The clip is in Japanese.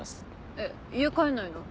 えっ家帰んないの？